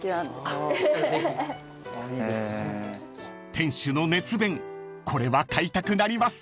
［店主の熱弁これは買いたくなります］